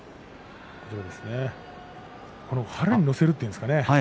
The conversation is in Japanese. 腹に乗せるというんですかね